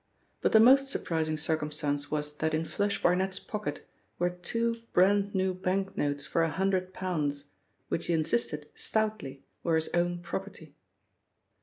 But the most surprising circumstance was that in 'Flush' Barnet's pocket were two brand new bank notes for a hundred pounds, which he insisted stoutly were his own property.